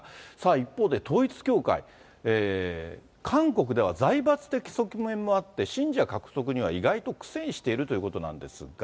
一方で、統一教会、韓国では財閥的側面もあって、信者獲得には意外と苦戦しているということなんですが。